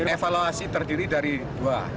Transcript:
evaluasi terdiri dari dua